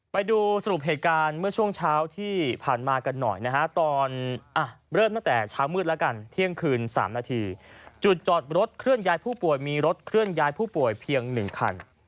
ไปดูสรุปเหตุการณ์เมื่อช่วงเช้าที่ผ่านมากันหน่อยนะฮะตอนเริ่มตั้งแต่เช้ามืดแล้วกันเที่ยงคืน๓นาทีจุดจอดรถเคลื่อนย้ายผู้ป่วยมีรถเคลื่อนย้ายผู้ป่วยเพียง๑คัน